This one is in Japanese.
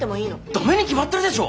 ダメに決まってるでしょ！